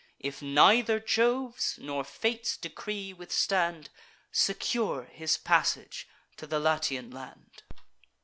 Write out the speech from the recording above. If neither Jove's nor Fate's decree withstand, Secure his passage to the Latian land."